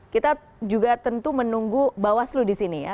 kita juga tentu menunggu bawaslu disini ya